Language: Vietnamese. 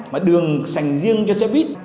mà đường dành riêng cho xe buýt